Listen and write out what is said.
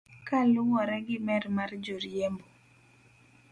Kaluwore gi mer mar joriembo.